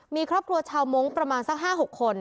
มีครอบครัวชาวมงค์ประมาณสัก๕๖คน